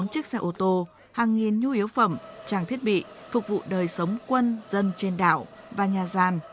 bốn chiếc xe ô tô hàng nghìn nhu yếu phẩm trang thiết bị phục vụ đời sống quân dân trên đảo và nhà gian